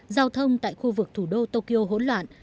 giao thông tại khu vực thủ đô tokyo hỗn loạn